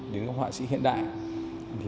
đến các hoa sĩ hiện đại